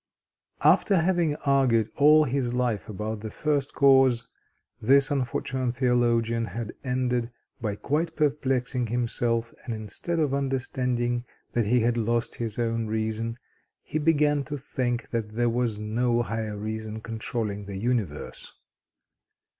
After having argued all his life about the First Cause, this unfortunate theologian had ended by quite perplexing himself, and instead of understanding that he had lost his own reason, he began to think that there was no higher Reason controlling the universe.